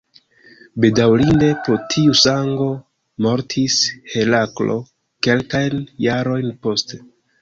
Bedaŭrinde, pro tiu sango mortis Heraklo kelkajn jarojn poste.